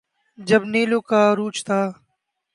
جب نیلو کا عروج تھا۔